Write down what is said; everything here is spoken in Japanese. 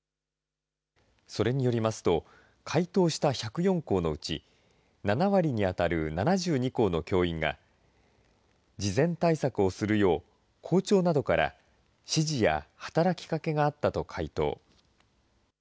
それによりますと、回答した１０４校のうち、７割に当たる７２校の教員が、事前対策をするよう校長などから指示や働きかけがあったと回答。